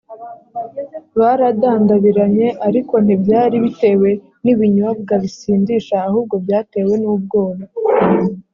baradandabiranye ariko ntibyari bitewe n ibinyobwa bisindisha ahubwo byatewe nubwoba